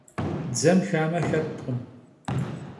Dzem xame xetkhım.